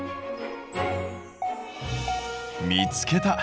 見つけた。